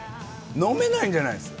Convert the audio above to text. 飲めないんじゃないんです。